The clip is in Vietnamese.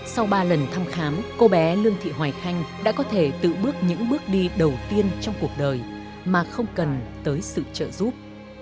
sau ba lần thăm khám cô bé lương thị hoài khanh đã có thể tự bước những bước đi đầu tiên trong cuộc đời mà không cần tới sự trợ giúp